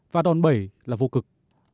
và đòn bẩy là vô cực